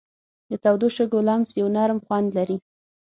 د تودو شګو لمس یو نرم خوند لري.